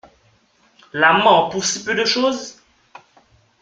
La mort pour si peu de chose!